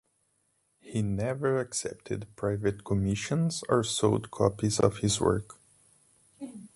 He never accepted private commissions or sold copies of his work.